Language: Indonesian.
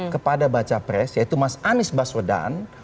kepada baca pres yaitu mas anies baswedan